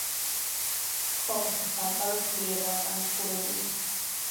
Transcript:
ცხოველთა სამყარო ძლიერაა განადგურებული.